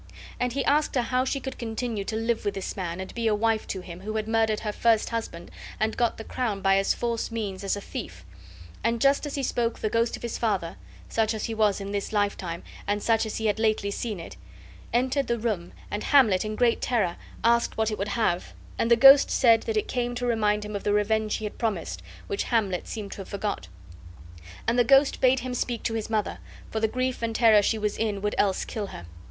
And he asked her how she could continue to live with this man, and be a wife to him, who had murdered her first husband and got the crown by as false means as a thief and just as he spoke the ghost of his father, such as he was in his lifetime and such as he had lately seen it, entered the room, and Hamlet, in great terror, asked what it would have; and the ghost said that it came to remind him of the revenge he had promised, which Hamlet seemed to have forgot; and the ghost bade him speak to his mother, for the grief and terror she was in would else kill her.